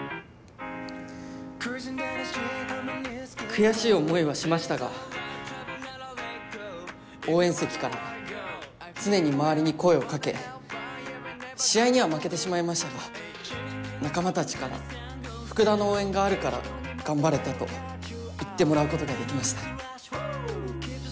悔しい思いはしましたが応援席から常に周りに声をかけ試合には負けてしまいましたが仲間たちから福田の応援があるから頑張れたと言ってもらうことができました。